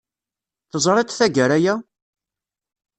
Teẓriḍ-t tagara-a?